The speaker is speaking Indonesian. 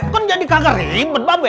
kan jadi kagak ribet be